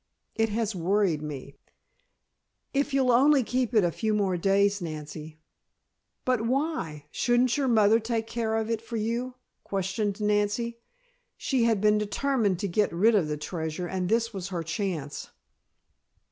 It has worried me " "If you'll only keep it a few more days, Nancy " "But why? Shouldn't your mother take care of it for you?" questioned Nancy. She had been determined to get rid of the treasure and this was her chance.